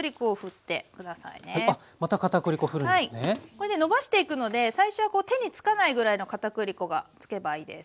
これでのばしていくので最初はこう手につかないぐらいの片栗粉がつけばいいです。